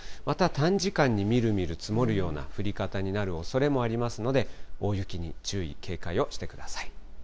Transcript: また短時間にみるみる積もるような降り方になるおそれもありますので、大雪に注意、警戒をしてください。